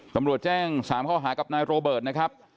ตำรวจแจ้ง๓ข้อหากับนายโรเบิร์ตนะครับ